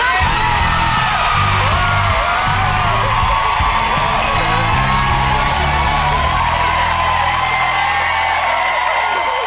ได้เลย